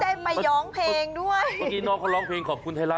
ได้มาย้องเพลงด้วยเมื่อกี้น้องเขาร้องเพลงขอบคุณไทยรัฐ